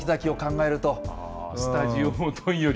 スタジオもどんより。